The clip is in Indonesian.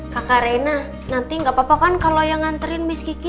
kakak reina nanti gak apa apa kan kalau yang nganterin miss kiki